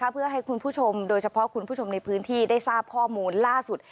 เพื่อให้คุณผู้ชมโดยเฉพาะคุณผู้ชมในพื้นที่ได้ทราบข้อมูลล่าสุด